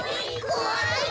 こわい！